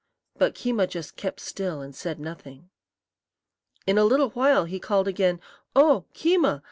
But Keema just kept still and said nothing. In a little while he called again: "Oh, Keema!